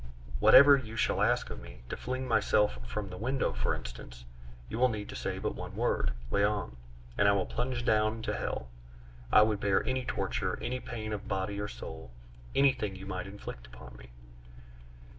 whatever you shall ask of me to fling myself from the window, for instance you will need to say but one word, 'Léon!' and I will plunge down into hell. I would bear any torture, any pain of body or soul, anything you might inflict upon me!"